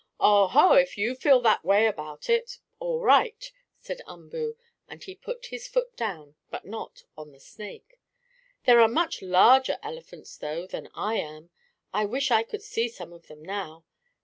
"Oh, ho, if you feel that way about it, all right," said Umboo, and he put his foot down, but not on the snake. "There are much larger elephants though, than I am. I wish I could see some of them now.